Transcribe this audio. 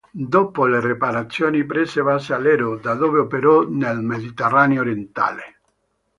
Dopo le riparazioni prese base a Lero, da dove operò nel Mediterraneo Orientale.